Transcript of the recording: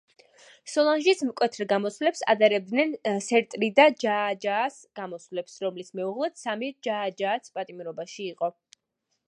სოლანჟის მკვეთრ გამოსვლებს ადარებდნენ სერტრიდა ჯააჯაას გამოსვლებს, რომლის მეუღლეც სამირ ჯააჯააც პატიმრობაში იყო.